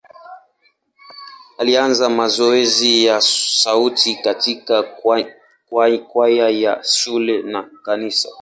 Alianza mazoezi ya sauti katika kwaya ya shule na kanisa.